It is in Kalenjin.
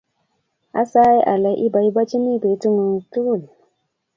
Asae kole ibaibaichini betungung tugul